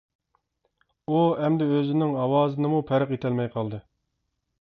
ئۇ ئەمدى ئۆزىنىڭ ئاۋازىنىمۇ پەرق ئېتەلمەي قالدى.